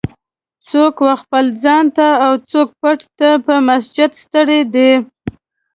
"څوک و خپل ځان ته اوڅوک بت ته په سجده ستړی دی.